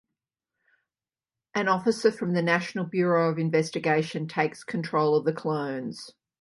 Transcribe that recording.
An officer from the National Bureau of Investigation takes control of the clones.